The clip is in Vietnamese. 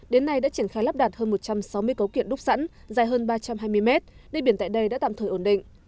đến nay đã triển khai lắp đặt hơn một trăm sáu mươi cấu kiện đúc sẵn dài hơn ba trăm hai mươi mét nơi biển tại đây đã tạm thời ổn định